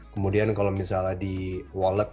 kemudian kalau misalnya di wallet